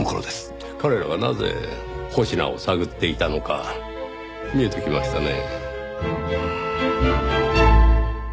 彼らがなぜ保科を探っていたのか見えてきましたねぇ。